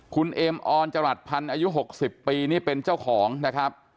คุณเอมออนจรัสพันธ์อายุ๖๐ปีนี่เป็นเจ้าของนะครับ